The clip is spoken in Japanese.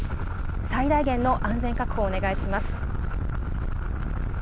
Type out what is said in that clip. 最大限の安全確保をお願いします。